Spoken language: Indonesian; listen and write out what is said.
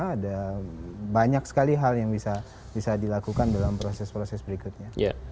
ada banyak sekali hal yang bisa dilakukan dalam proses proses berikutnya